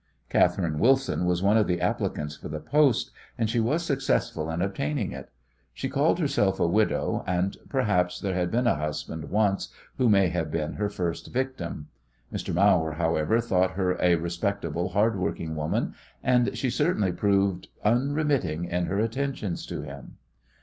Catherine Wilson was one of the applicants for the post, and she was successful in obtaining it. She called herself a widow, and, perhaps, there had been a husband once who may have been her first victim. Mr. Mawer, however, thought her a respectable, hardworking woman, and she certainly proved unremitting in her attentions to him.